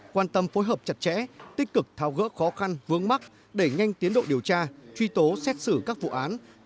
quan tâm phối hợp chặt chẽ tích cực tháo gỡ khó khăn vướng mắt đẩy nhanh tiến độ điều tra truy tố xét xử các vụ án